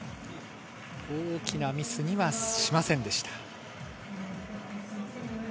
大きなミスにはしませんでした。